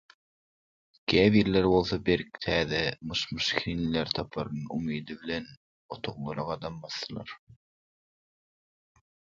Käbirleri bolsa belki täze "myş-myş" hinleri taparyn umydy bilen täze otaglara gadam basdylar.